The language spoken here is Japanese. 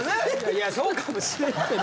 いやそうかもしれんけど。